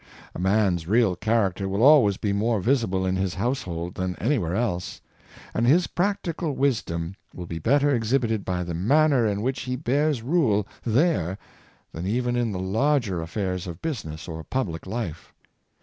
A man's real character will always be more visible in his household than anywhere else; and his practical wisdom will be better exhibited by the manner in which he bears rule there than even in the larger affairs of business or public life.